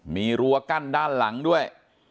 มีรั้วกั้นด้านหลังด้วย